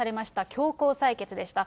強行採決でした。